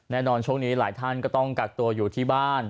ช่วงนี้หลายท่านก็ต้องกักตัวอยู่ที่บ้าน